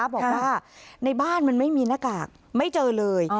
บอกว่าในบ้านมันไม่มีหน้ากากไม่เจอเลย